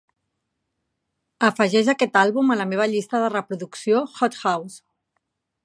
Afegeix aquest àlbum a la meva llista de reproducció "hot house".